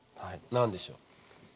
何でしょう？